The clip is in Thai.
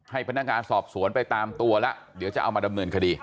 ให้พนักงานสอบสวนไปตามตัวแล้วเดี๋ยวจะเอามาดำเนินคดี